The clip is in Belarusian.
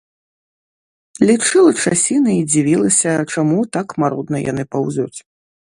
Лічыла часіны і дзівілася, чаму так марудна яны паўзуць.